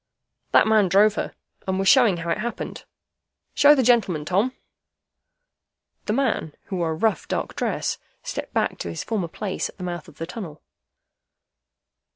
That man drove her, and was showing how it happened. Show the gentleman, Tom." The man, who wore a rough dark dress, stepped back to his former place at the mouth of the tunnel.